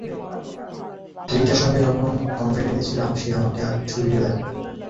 রিকের সঙ্গে যখন কভেন্ট্রিতে ছিলাম, সে আমাকে তার কিছু ভিডিও দেখায়।